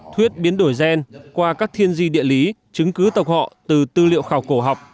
thuyết biến đổi gen qua các thiên di địa lý chứng cứ tộc họ từ tư liệu khảo cổ học